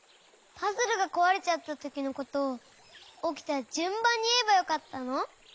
パズルがこわれちゃったときのことをおきたじゅんばんにいえばよかったの？